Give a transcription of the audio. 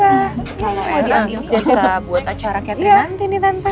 kalau ada yang jasa buat acara catherine nanti nih tante